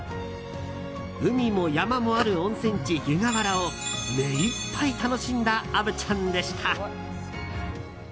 海も山もある温泉地、湯河原を目いっぱい楽しんだ虻ちゃんでした。